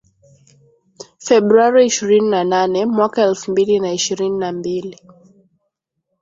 Februari ishirini na nane mwaka elfu mbili na ishirini na mbili